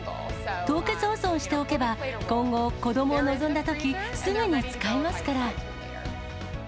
凍結保存しておけば、今後、子どもを望んだとき、すぐに使え